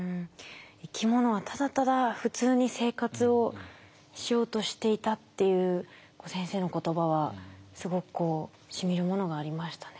「生き物はただただ普通に生活をしようとしていた」っていう先生の言葉はすごくこうしみるものがありましたね。